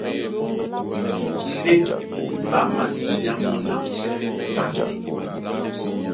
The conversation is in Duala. Ndé ɓá masiá mɔ́ na masîn.